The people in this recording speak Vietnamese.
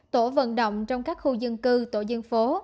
tổ vận động trong các khu dân cư tổ dân phố